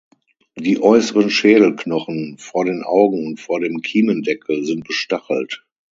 Die äußeren Schädelknochen vor den Augen und vor dem Kiemendeckel sind bestachelt.